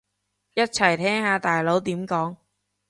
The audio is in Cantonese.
一齊聽下大佬點講